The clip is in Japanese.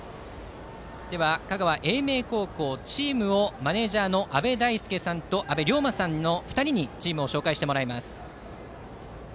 香川・英明高校、チームをマネージャーの阿部大輔さんと阿部龍馬さんの２人にチームを紹介してもらいます。